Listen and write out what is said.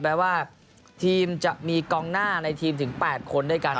แม้ว่าทีมจะมีกองหน้าในทีมถึง๘คนด้วยกัน